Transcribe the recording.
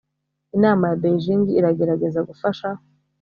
inama ya beijing iragerageza gufasha